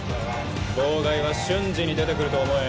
妨害は瞬時に出てくると思え。